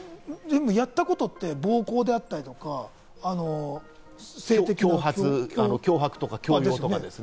やったことって暴行であったりとか、性的な強要ですよね。